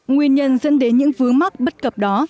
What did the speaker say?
nguyên nhân dẫn đến những vướng mắc bất cập đó